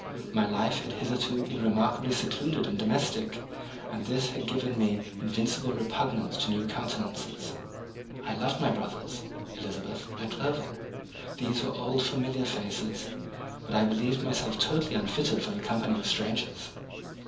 My life had hitherto been remarkably secluded and domestic, and this had given me invincible repugnance to new countenances. I loved my brothers, Elizabeth, and Clerval; these were "old familiar faces," but I believed myself totally unfitted for the company of strangers.